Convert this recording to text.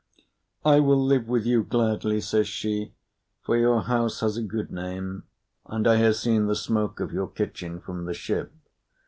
"I will live with you gladly," says she, "for your house has a good name, and I have seen the smoke of your kitchen from the ship.